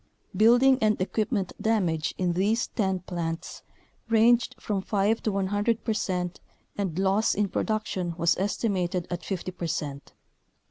Building and equipment damage in these 10 plants ranged from five to 100 percent and loss in production was estimated at 50 percent.